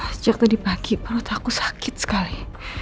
sejak tadi pagi perut aku sakit sekali